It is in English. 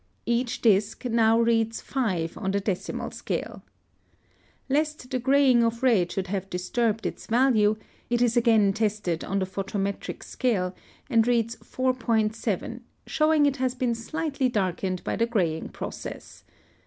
Each disc now reads 5 on the decimal scale. Lest the graying of red should have disturbed its value, it is again tested on the photometric scale, and reads 4.7, showing it has been slightly darkened by the graying process.